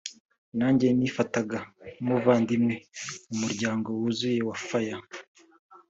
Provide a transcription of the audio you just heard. nanjye nifataga nk’umuvandimwe mu muryango wuzuye wa Faye